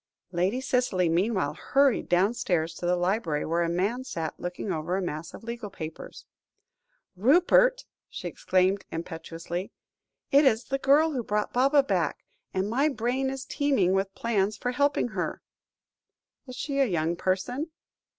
Lady Cicely meanwhile hurried downstairs to the library, where a man sat looking over a mass of legal papers. "Rupert," she exclaimed impetuously, "it is the girl who brought Baba back, and my brain is teeming with plans for helping her." "Is she a young person?"